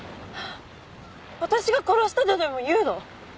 私が殺したとでもいうの？